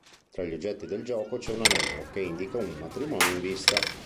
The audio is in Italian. Tra gli oggetti del gioco c'è un anello, che indica un matrimonio in vista.